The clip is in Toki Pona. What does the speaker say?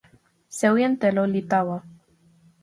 sewi en telo li tawa.